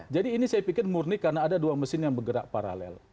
jadi ini saya pikir murni karena ada dua mesin yang bergerak paralel